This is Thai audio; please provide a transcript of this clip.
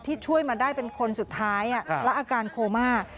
ช่วยมาได้เป็นคนสุดท้ายและอาการโคม่า